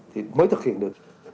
thì mới thực hiện được